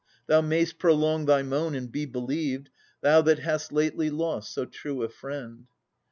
Thou may'st prolong thy moan, and be believed. Thou that hast fately lost so true a friend.